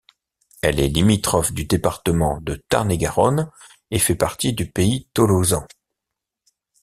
Elle est limitrophe du département de Tarn-et-Garonne et fait partie du Pays Tolosan.